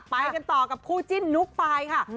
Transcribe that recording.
ไปกันต่อกับผู้จิ้นนุคไปค่ะ